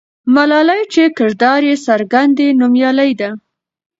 ملالۍ چې کردار یې څرګند دی، نومیالۍ ده.